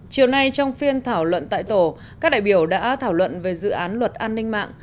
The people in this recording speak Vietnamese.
chiều nay trong phiên thảo luận tại tổ các đại biểu đã thảo luận về dự án luật an ninh mạng